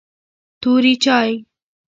توري چای